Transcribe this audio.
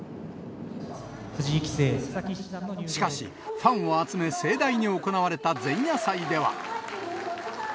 しかし、ファンを集め盛大に行われた前夜祭では。